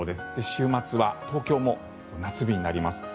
週末は東京も夏日になります。